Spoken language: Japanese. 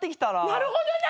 なるほどな！